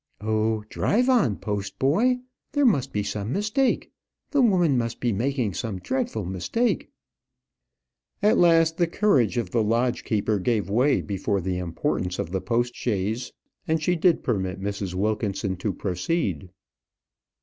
"Oh, drive on, post boy. There must be some mistake. The woman must be making some dreadful mistake." At last the courage of the lodge keeper gave way before the importance of the post chaise, and she did permit Mrs. Wilkinson to proceed.